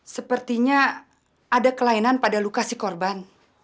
sepertinya ada kelainan pada luka si korban